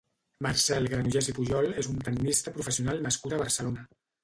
Marcel Granollers i Pujol és un tennista professional nascut a Barcelona.